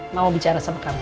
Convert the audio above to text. mau bahas tentang kamu